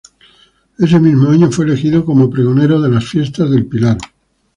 Ese mismo año fue elegido como pregonero de las Fiestas del Pilar.